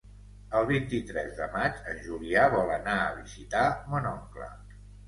El vint-i-tres de maig en Julià vol anar a visitar mon oncle.